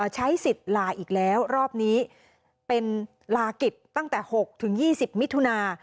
ใช้สิทธิ์ลาอีกแล้วรอบนี้เป็นลากิจตั้งแต่๖๒๐มิถุนา